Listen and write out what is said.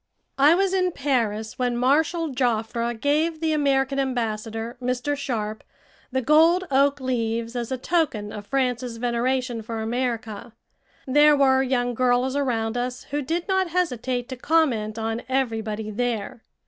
I was in Paris when Marshal Joffre gave the American Ambassador, Mr. Sharp, the gold oak leaves as a token of France's veneration for America. There were young girls around us who did not hesitate to comment on everybody there.